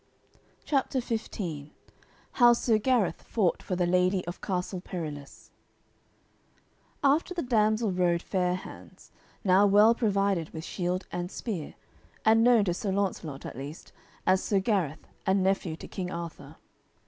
CHAPTER XV HOW SIR GARETH FOUGHT FOR THE LADY OF CASTLE PERILOUS After the damsel rode Fair hands, now well provided with shield and spear, and known to Sir Launcelot, at least, as Sir Gareth and nephew to King Arthur.